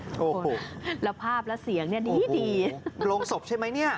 โอ้โหแล้วภาพแล้วเสียงเนี้ยดีดีโอ้โหลงศพใช่ไหมเนี้ย